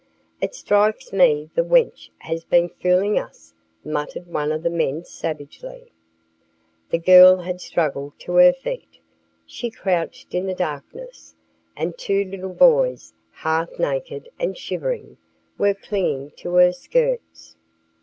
"It strikes me the wench has been fooling us," muttered one of the men savagely. The girl had struggled to her feet. She crouched in the darkness, and two little boys, half naked and shivering, were clinging to her skirts.